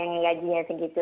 yang gajinya segitu